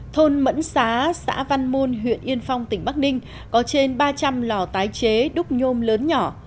thôn mẫn xá xã văn môn huyện yên phong tỉnh bắc ninh có trên ba trăm linh lò tái chế đúc nhôm lớn nhỏ